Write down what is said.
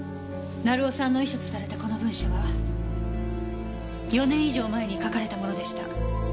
成尾さんの遺書とされたこの文書は４年以上前に書かれたものでした。